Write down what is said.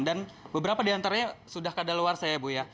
dan beberapa di antaranya sudah keadaan luar saya ibu